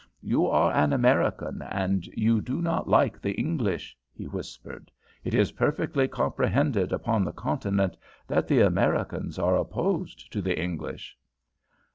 "You are an American, and you do not like the English," he whispered. "It is perfectly comprehended upon the Continent that the Americans are opposed to the English."